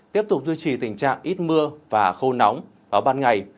tiếp tục duy trì tình trạng ít mưa và khô nóng ở ban ngày